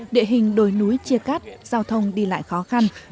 địa hình đồi núi chia cắt giao thông đi lại khó khăn